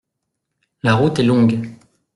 La route est longue.